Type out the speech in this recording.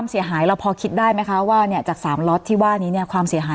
เห็นไหมคะบอกว่าใช้คนตรวจตั้งแต่วันแรกจนถึงตรวจเสร็จประมาณเดือนครึ่งใช้เวลา